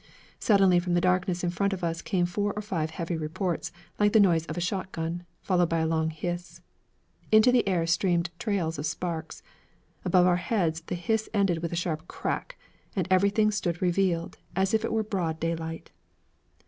Suddenly from the darkness in front of us came four or five heavy reports like the noise of a shot gun, followed by a long hiss. Into the air streamed trails of sparks. Above our heads the hiss ended with a sharp crack, and everything stood revealed as if it were broad daylight.